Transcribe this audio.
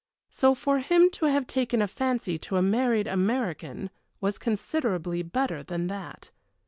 So for him to have taken a fancy to a married American was considerably better than that.